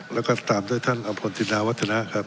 แล้วก็ตามด้วยถ้านอัมพลจินดาวัชฌานาคบ